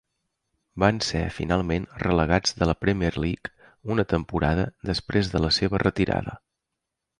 Van ser finalment relegats de la Premier League una temporada després de la seva retirada.